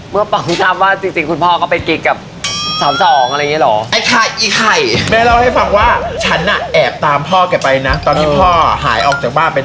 เมื่อป๋องทราบว่าจริงคุณพ่อก็เป็นกิ๊กกับ